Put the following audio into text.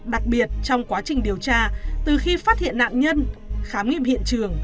đặc biệt trong quá trình điều tra từ khi phát hiện nạn nhân khám nghiệm hiện trường